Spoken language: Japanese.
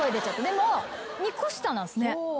でも２個下なんすね。